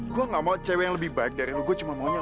gue gak mau cewek yang lebih baik dari lu gue cuma maunya